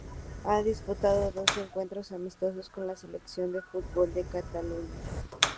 Ha disputado dos encuentros amistosos con la selección de fútbol de Cataluña.